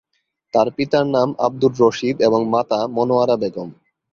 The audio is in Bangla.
তার পিতার নাম আব্দুর রশীদ এবং মাতা মনোয়ারা বেগম।